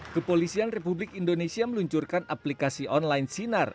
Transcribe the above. kepolisian republik indonesia meluncurkan aplikasi online sinar